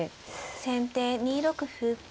先手２六歩。